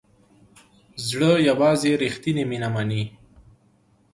زړه یوازې ریښتیني مینه مني.